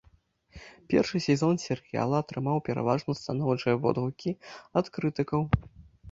Першы сезон серыяла атрымаў пераважна станоўчыя водгукі ад крытыкаў.